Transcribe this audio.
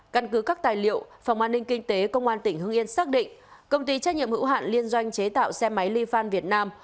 căn cứ các tài liệu phòng an ninh kinh tế công an tỉnh hưng yên xác định công ty trách nhiệm hữu hạn liên doanh chế tạo xe máy li fan việt nam